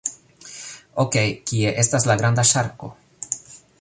Okej, kie estas la granda ŝarko?